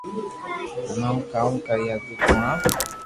ھمي ھو ڪاو ڪري ھگو تو ھڻاو